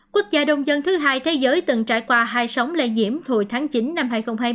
quốc gia đông dân thứ hai thế giới từng trải qua hai sóng lây nhiễm hồi tháng chín năm hai nghìn hai mươi